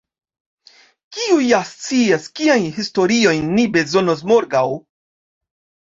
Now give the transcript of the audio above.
Kiu ja scias kiajn historiojn ni bezonos morgaŭ?